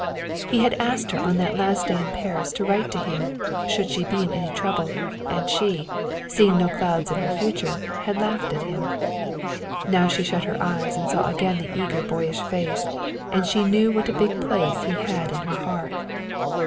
He had asked her on that last day in Paris to write to him, should she be in any trouble, and she, seeing no clouds in her future, had laughed at him. Now she shut her eyes and saw again the eager boyish face, and she knew what a big place he had in her heart.